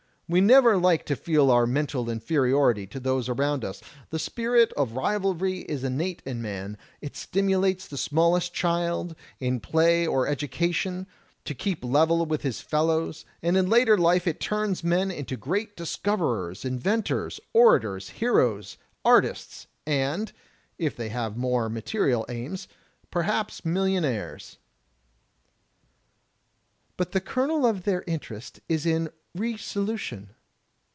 We never like to feel our mental inferiority to those aroxmd us. The spirit of rivalry is innate in man; it stimulates the smallest child, in play or education, to keep level with his fellows, and in later life it turns men into great discoverers, inventors, orators, heroes, artists and (if they have more material aims) perhaps mil lionaires." But the kernel of their interest is re solution.